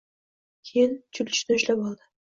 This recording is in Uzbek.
Keyin Chulchutni ushlab oldi.